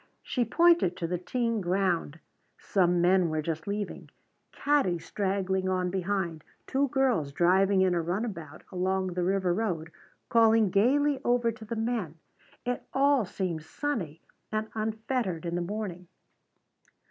She pointed to the teeing ground some men were just leaving caddies straggling on behind, two girls driving in a runabout along the river road calling gaily over to the men. It all seemed sunny and unfettered as the morning.